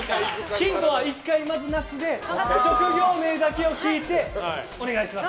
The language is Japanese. ヒントは１回まず、なしで職業名だけを聞いてお願いします。